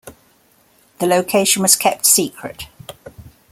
The location was kept secret.